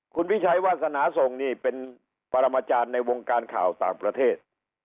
คุณวิชัยวาสนาส่งนี่เป็นปรมาจารย์ในวงการข่าวต่างประเทศ